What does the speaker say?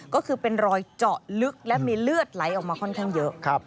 ก็คือเป็นรอยเจาะลึกและมีเลือดไหลออกมาค่อนข้างเยอะ